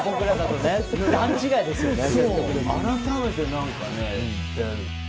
段違いですよね。